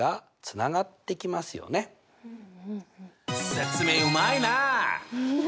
説明うまいな！